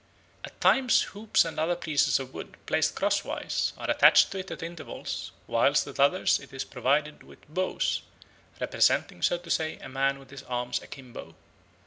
"At times hoops and at others pieces of wood, placed crosswise, are attached to it at intervals; whilst at others it is provided with bows, representing, so to say, a man with his arms akimbo.